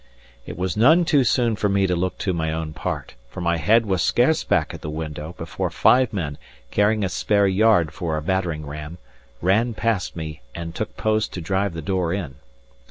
It was none too soon for me to look to my own part; for my head was scarce back at the window, before five men, carrying a spare yard for a battering ram, ran past me and took post to drive the door in.